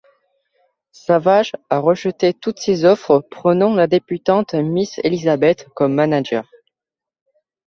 Savage a rejeté toutes ces offres, prenant la débutante Miss Elizabeth comme manager.